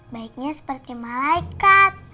baiknya seperti malaikat